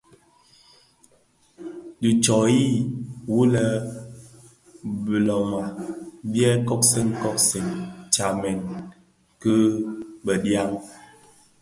Dhi ntsoyi wu lè biloma biè kobsèn kobsèn tyamèn deň bi duň yi bëdiaň.